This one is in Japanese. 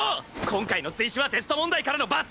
今回の追試はテスト問題からの抜粋！